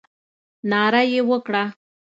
ناره یې وکړه.